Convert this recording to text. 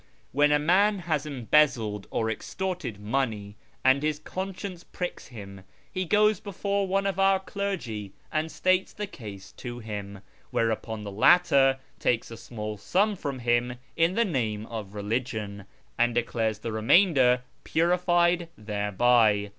When a man has embezzled or extorted money, and his conscience pricks him, he goes before one of our clergy and states the case to him, whereupon the latter takes a small sum from him in the name of religion, and declares the remainder purified thereby.